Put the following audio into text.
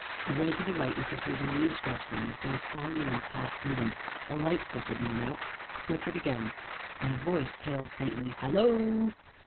Away to the right, we could hear the leaves rustling, as though a strong wind passed through them; a light flickered, went out, flickered again, and a voice hailed faintly: "Hallo!"